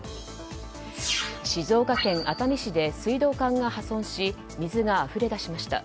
静岡県熱海市で、水道管が破損し水があふれ出しました。